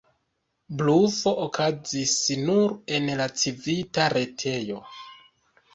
Blufo okazis nur en la Civita retejo.